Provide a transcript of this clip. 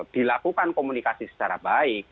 dilakukan komunikasi secara baik